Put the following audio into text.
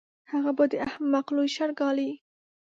هغه به د احمق لوی شر ګالي.